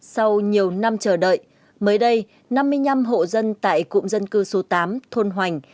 sau nhiều năm chờ đợi mới đây năm mươi năm hộ dân tại cụm dân cư số tám thôn hoành